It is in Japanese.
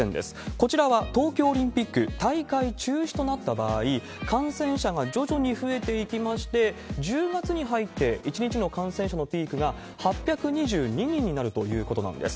こちらは東京オリンピック大会中止となった場合、感染者が徐々に増えていきまして、１０月に入って１日の感染者のピークが８２２人になるということなんです。